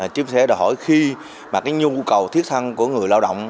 chúng tôi sẽ đòi hỏi khi mà cái nhu cầu thiết thăng của người lao động